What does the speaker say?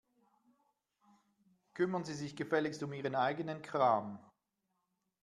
Kümmern Sie sich gefälligst um Ihren eigenen Kram.